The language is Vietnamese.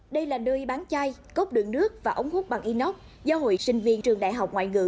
đây là đuôi bán chai cốt đựng nước và ống hút bằng inox do hội sinh viên trường đại học ngoại ngữ